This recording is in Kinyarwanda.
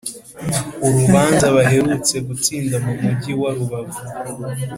Urubanza baherutse gutsinda mu mugi wa Rubavu